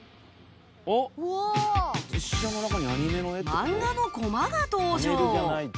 漫画のコマが登場